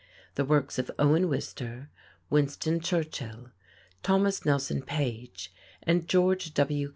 The works of Owen Wister, Winston Churchill, Thomas Nelson Page and George W.